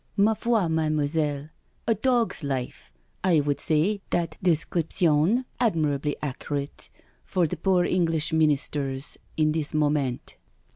" Ma folj Mademoiselle. * A dog's life '—1 would say that description is admirably accurate for the poor English Ministers in this moment."